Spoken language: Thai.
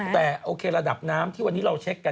แต่โอเคระดับน้ำที่วันนี้เราเช็คกัน